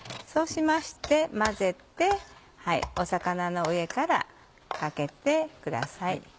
そうしまして混ぜて魚の上からかけてください。